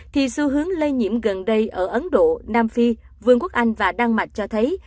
thì xu hướng lây nhiễm gần đây ở ấn độ nam phi vương quốc anh và đan mạch cho thấy